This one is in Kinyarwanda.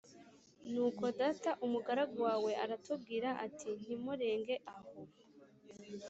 nuko data umugaragu wawe aratubwira ati nti murenge aho